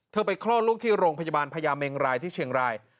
ไปคลอดลูกที่โรงพยาบาลพญาเมงรายที่เชียงราย